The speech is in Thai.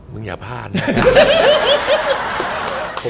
อย่าพลาดนะ